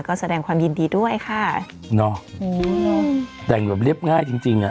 ก็แสดงความยินดีด้วยค่ะเนอะอืมแต่งแบบเรียบง่ายจริงจริงอ่ะ